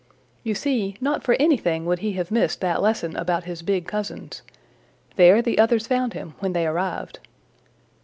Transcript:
You see, not for anything would he have missed that lesson about his big cousins. There the others found him when they arrived.